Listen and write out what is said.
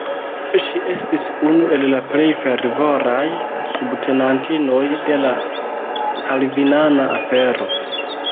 Ŝi estis unu el la plej fervoraj subtenantinoj de la kalvinana afero.